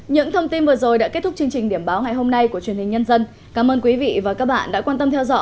những thông tin vừa rồi đã kết thúc chương trình điểm báo ngày hôm nay của truyền hình nhân dân